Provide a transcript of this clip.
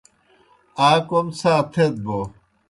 آ کوْم څھا تھیت بوْ